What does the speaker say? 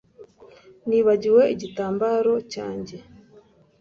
Nibagiwe igitambaro cyanjye